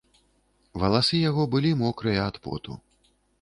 Валасы яго былі мокрыя ад поту.